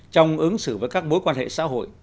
trong ứng xử với các mối quan hệ xã hội